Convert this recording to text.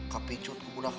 kepicut kemudah kbg